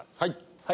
はい。